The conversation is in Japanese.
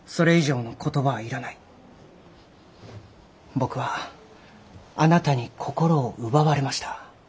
僕はあなたに心を奪われました。